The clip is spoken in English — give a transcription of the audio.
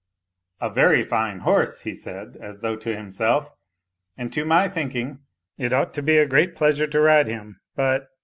" A very fine horse !" he said, as though to himself, " and to my thinking it ought to be a great pleasure to ride him ; but